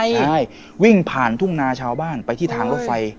ใช่วิ่งผ่านทุ่งนาชาวบ้านไปที่ทางรถไฟ